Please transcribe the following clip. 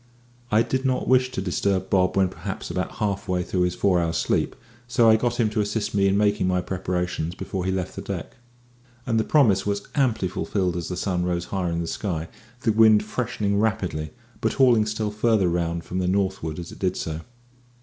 I did not wish to disturb Bob when perhaps about half way through his four hours' sleep, so I got him to assist me in making my preparations before he left the deck. And the promise was amply fulfilled as the sun rose higher in the sky, the wind freshening rapidly, but hauling still farther round from the northward as it did so.